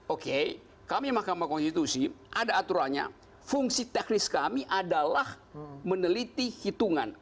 oke kami mahkamah konstitusi ada aturannya fungsi teknis kami adalah meneliti hitungan